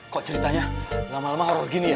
kok ceritanya lama lama eror gini ya